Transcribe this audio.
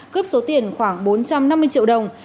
cướp số tiền khoảng bốn trăm năm mươi triệu đồng